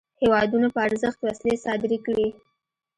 هیوادونو په ارزښت وسلې صادري کړې.